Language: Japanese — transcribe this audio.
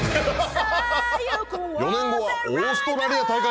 ４年後はオーストラリア大会！